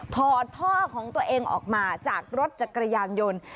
ถอดท่อของตัวเองออกมาจากรถจักรยานยนต์